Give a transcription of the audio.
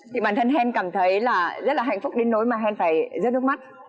thì bản thân hèn cảm thấy là rất là hạnh phúc đến nỗi mà hèn phải rớt nước mắt